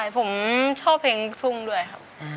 ผมชอบเพลงลูกทุ่งด้วยครับ